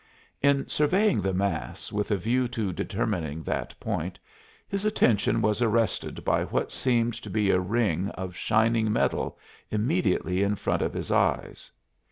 In surveying the mass with a view to determining that point, his attention was arrested by what seemed to be a ring of shining metal immediately in front of his eyes.